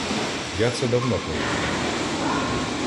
Я це давно помітив.